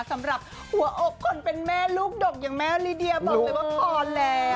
สำหรับหัวอกคนเป็นแม่ลูกดกอย่างแม่ลิเดียบอกเลยว่าพอแล้ว